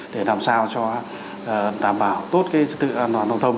để làm sao cho đảm bảo tốt sự an toàn thông thông